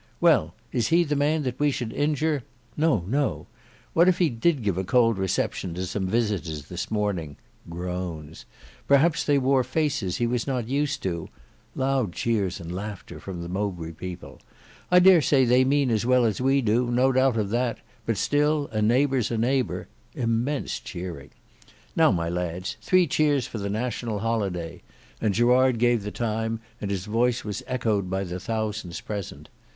Well, is he the man that we should injure? ("No, no"). What if he did give a cold reception to some visitors this morning— —perhaps they wore faces he was not used to (loud cheers and laughter from the Mowbray people). I dare say they mean as well as we do—no doubt of that—but still a neighbour's a neighbour (immense cheering). Now, my lads, three cheers for the National Holiday," and Gerard gave the time, and his voice was echoed by the thousands present.